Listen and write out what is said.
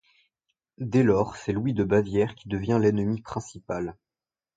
Dès lors, c'est Louis de Bavière qui devient l'ennemi principal.